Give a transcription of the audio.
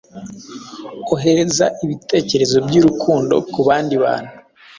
Ohereza ibitekerezo by’urukundo ku bandi bantu.